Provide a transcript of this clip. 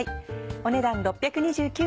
お値段６２９円。